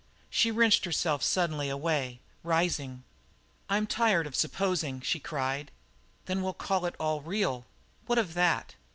She wrenched herself suddenly away, rising. "I'm tired of supposing!" she cried. "Then we'll call it all real. What of that?"